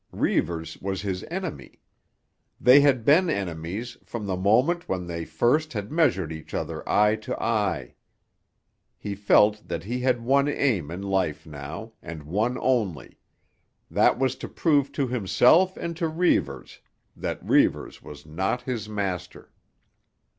Reivers was his enemy. They had been enemies from the moment when they first had measured each other eye to eye. He felt that he had one aim in life now, and one only; that was to prove to himself and to Reivers that Reivers was not his master.